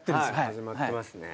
始まってますね。